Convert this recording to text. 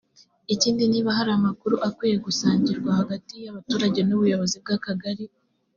ikindi niba hari amakuru akwiye gusangirwa hagati y’abaturage n‘ubuyobozi bw’Akagari